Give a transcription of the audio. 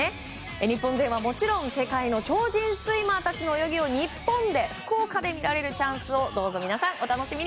日本勢はもちろん、世界の超人スイマーたちの泳ぎを日本で福岡でみられるチャンスをどうぞ皆さん、お楽しみに。